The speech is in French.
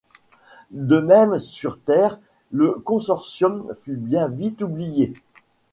De même, sur terre, le consortium fut bien vite oublié.